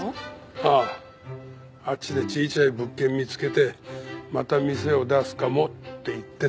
あああっちでちいちゃい物件見つけてまた店を出すかもって言ってた。